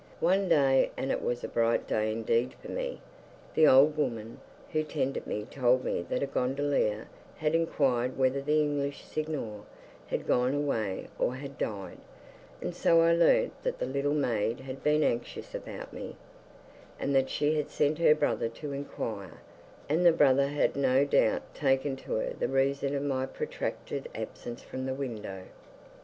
One day and it was a bright day indeed for me the old woman who tended me told me that a gondolier had inquired whether the English signor had gone away or had died; and so I learnt that the little maid had been anxious about me, and that she had sent her brother to inquire, and the brother had no doubt taken to her the reason of my protracted absence from the window.